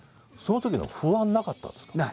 そのときの不安なかったんですか？